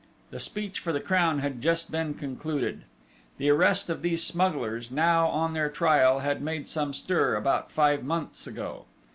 The speech for the Crown had just been concluded. The arrest of these smugglers, now on their trial, had made some stir, about five months ago.